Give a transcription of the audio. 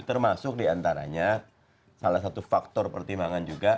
termasuk diantaranya salah satu faktor pertimbangan juga